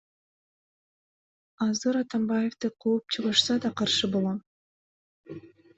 Азыр Атамбаевди кууп чыгышса да каршы болом.